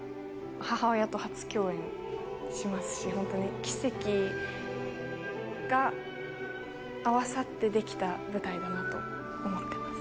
母親と初共演しますしほんとに奇跡が合わさって出来た舞台だなと思ってます。